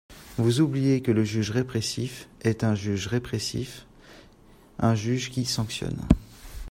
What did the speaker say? Vous oubliez que le juge répressif est un juge répressif, un juge qui sanctionne.